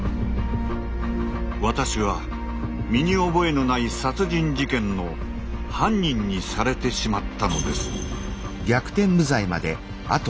私は身に覚えのない殺人事件の犯人にされてしまったのです。